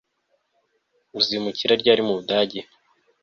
Uzimukira ryari mu Budage